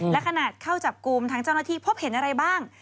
และขนาดเข้าจับกลุ่มทางเจ้าหน้าที่พบเห็นอะไรบ้าง